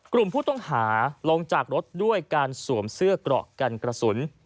กลุ่มผู้ต้องหาลงจากรถด้วยการสวมเสื้อเกราะกันกระสุน